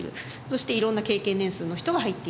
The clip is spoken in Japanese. そして色んな経験年数の人が入っている。